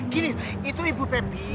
gini itu ibu bebi